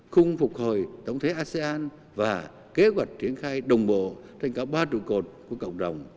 khung phục hồi tổng thể asean và kế hoạch triển khai đồng bộ trên cả ba trụ cột của cộng đồng